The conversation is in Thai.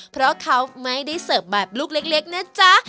เพราะเขาไม่ได้เสิร์ฟแบบลูกเล็กนะจ๊ะ